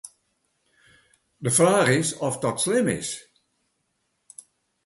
De fraach is oft dat slim is.